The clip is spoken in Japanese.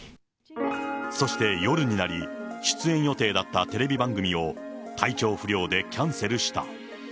そして、夜になり、出演予定だったテレビ番組を体調不良でキャンセルした。